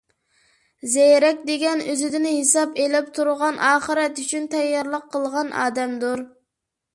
زېرەك دېگەن – ئۆزىدىن ھېساب ئېلىپ تۇرغان، ئاخىرەت ئۈچۈن تەييارلىق قىلغان ئادەمدۇر.